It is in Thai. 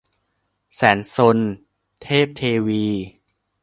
แสนซน - เทพเทวี